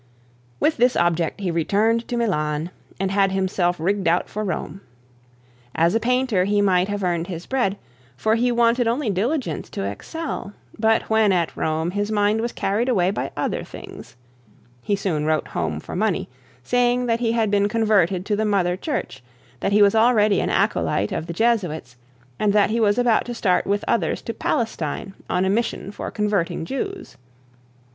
With this object he retired to Milan, and had himself rigged out for Rome. As a painter he might have earned his bread, for he wanted only diligence to excel; but when at Rome his mind was carried away by other things: he soon wrote home for money, saying that he had been converted to the Mother Church, that he was already an acolyte of the Jesuits, and that he was about to start with others to Palestine on a mission for converting Jews.